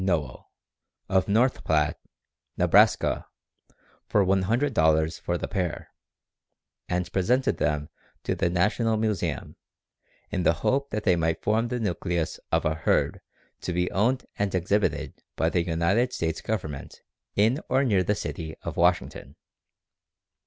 Nowell, of North Platte, Nebraska, for $100 for the pair, and presented them to the National Museum, in the hope that they might form the nucleus of a herd to be owned and exhibited by the United States Government in or near the city of Washington.